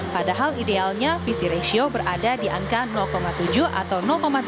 padahal idealnya visi ratio berada di angka tujuh atau delapan